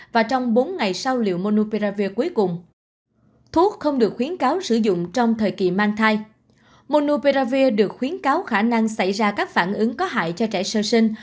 monopiravir được khuyến cáo khả năng xảy ra các phản ứng có hại cho trẻ sơ sinh